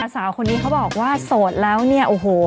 สาวคนนี้เขาบอกว่าโสดแล้วเนี่ยโอ้โห